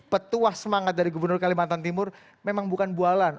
petuah semangat dari gubernur kalimantan timur memang bukan bualan